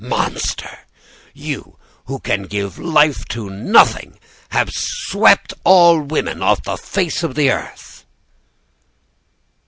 Monster! you, who can give life to nothing, have swept all women off the face of the earth.